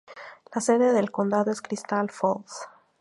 La sede del condado es Crystal Falls.